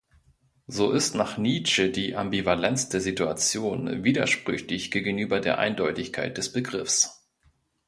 So ist nach Nietzsche die Ambivalenz der Situation widersprüchlich gegenüber der Eindeutigkeit des Begriffs.